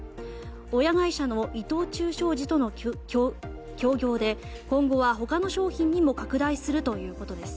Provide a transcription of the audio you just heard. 親会社の伊藤忠商事との協業で今後は、他の商品にも拡大するということです。